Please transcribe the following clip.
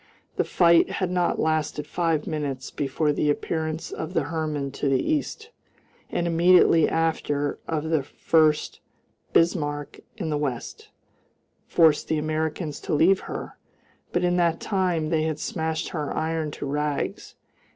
The fight had not lasted five minutes before the appearance of the Hermann to the east, and immediately after of the Furst Bismarck in the west, forced the Americans to leave her, but in that time they had smashed her iron to rags.